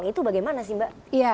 itu bagaimana sih mbak